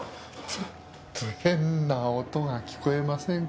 ちょっと変な音が聞こえませんか？